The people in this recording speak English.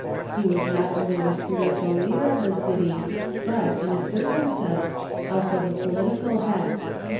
He was not only the spiritual leader of the city, but, in a certain sense, also the po litical head.